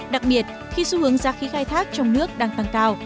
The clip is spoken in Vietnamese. đặc biệt khi xu hướng giá khí khai thác trong nước đang tăng cao